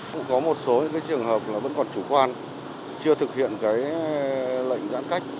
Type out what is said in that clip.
cũng có một số trường hợp là vẫn còn chủ quan chưa thực hiện cái lệnh giãn cách